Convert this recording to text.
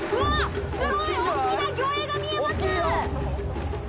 すごい大きな魚影が見えます！